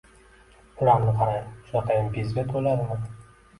Ularni qarang, shunaqayam bezbet bo’ladimi